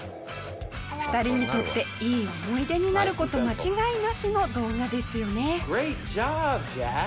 ２人にとっていい思い出になる事間違いなしの動画ですよね。